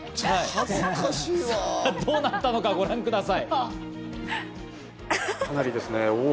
さあ、どうなったのかご覧ください。